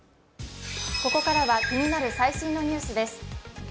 ここからは気になる最新のニュースです。